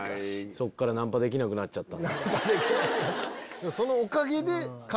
そこからナンパできなくなっちゃった。